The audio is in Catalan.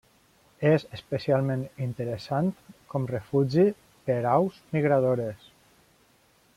És especialment interessant com refugi per aus migradores.